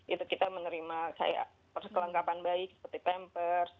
itu kita menerima kayak perselengkapan bayi seperti pampers